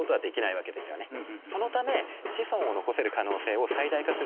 そのため。